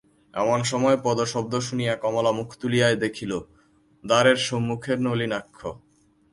এমন সময় পদশব্দ শুনিয়া কমলা মুখ তুলিয়াই দেখিল, দ্বারের সম্মুখে নলিনাক্ষ।